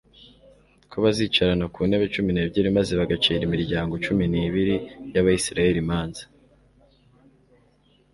ko bazicarana ku ntebe cumi n'ebyiri maze bagacira imiryango cumi n'ibiri y'Abisiraeli imanza?